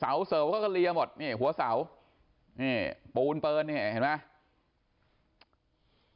เสิร์ฟเขาก็เลียหมดนี่หัวเสานี่ปูนเปินนี่เห็นไหม